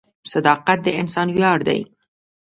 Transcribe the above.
• صداقت د انسان ویاړ دی.